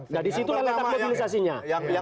nah disitu letak mobilisasinya